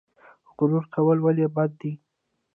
غرور کول ولې بد دي؟